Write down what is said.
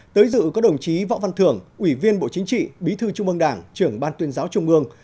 tới dự có đồng chí võ văn thường ủy viên bộ chính trị bí thư trung mương đảng trưởng ban tuyên giáo trung mương